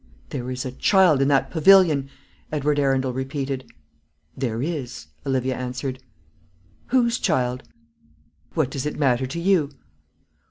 "There is a child in that pavilion," Edward Arundel repeated. "There is," Olivia answered. "Whose child?" "What does it matter to you?"